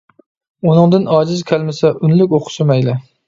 ئۇنىڭدىن ئاجىز كەلمىسە ئۈنلۈك ئوقۇسا مەيلى.